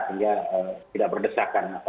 sehingga tidak berdesakan masyarakat